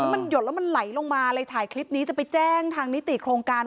มันหยดแล้วมันไหลลงมาเลยถ่ายคลิปนี้จะไปแจ้งทางนิติโครงการ